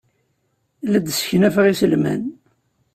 La d-sseknafeɣ iselman.